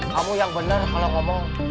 kamu yang benar kalau ngomong